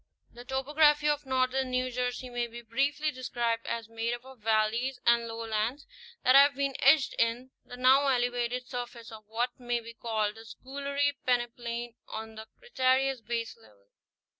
* The topography of northern New Jersey may be briefly de scribed as made up of valleys and lowlands that have been etched in the now elevated surface of what may be called the Schooley peneplain on the Cretaceous baselevel.